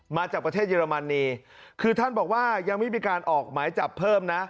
มาจากประเทศเยอรมนีคือท่านบอกว่ายังไม่มีการออกหมายจับเพิ่มนะ